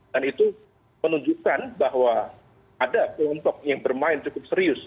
dan itu menunjukkan bahwa ada kelompok yang bermain cukup serius